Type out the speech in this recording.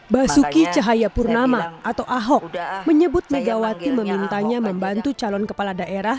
basuki cahayapurnama atau ahok menyebut megawati memintanya membantu calon kepala daerah